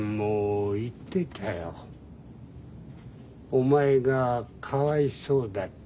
お前がかわいそうだって。